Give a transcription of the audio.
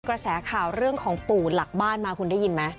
กระแสข่าวเรื่องของปู่หลักบ้านมาคุณได้ยินไหม